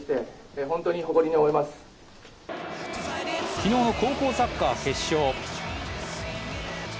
昨日の高校サッカー決勝。